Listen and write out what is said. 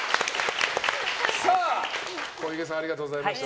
小池さんありがとうございました。